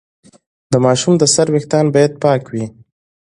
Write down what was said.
د ماشوم د سر ویښتان باید پاک وي۔